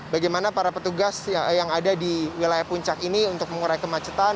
bagaimana para petugas yang ada di wilayah puncak ini untuk mengurai kemacetan